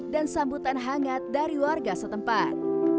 dan sambutan hangat dari warga setempat